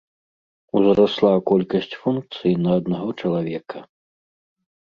Узрасла колькасць функцый на аднаго чалавека.